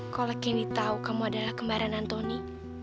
kalau candy tahu kamu adalah kembaran antoni